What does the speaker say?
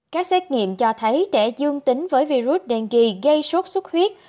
các xét nghiệm cho thấy trẻ dương tính với virus dengue gây sốt sốt huyết